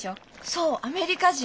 そうアメリカ人。